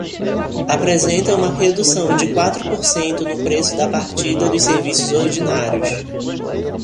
Apresenta uma redução de quatro por cento no preço da partida dos serviços ordinários.